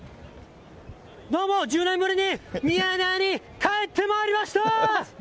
どうも、１０年ぶりにミヤネ屋に帰ってまいりました！